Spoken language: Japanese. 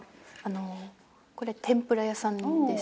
これてんぷら屋さんです。